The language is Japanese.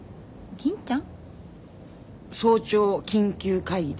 銀ちゃん！